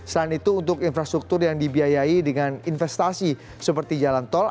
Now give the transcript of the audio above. selain itu untuk infrastruktur yang dibiayai dengan investasi seperti jalan tol